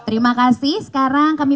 terima kasih sekarang kami